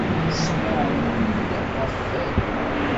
Tesmeɛnem-d ɣef berru.